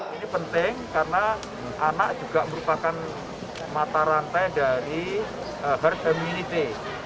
ini penting karena anak juga merupakan mata rantai dari herd immunity